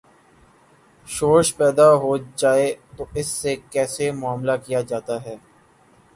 شورش پیدا ہو جائے تو اس سے کیسے معا ملہ کیا جاتا تھا؟